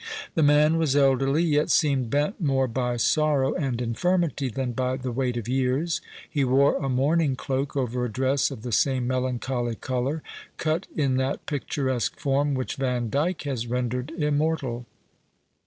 The man was elderly, yet seemed bent more by sorrow and infirmity than by the weight of years. He wore a mourning cloak, over a dress of the same melancholy colour, cut in that picturesque form which Vandyck has rendered immortal.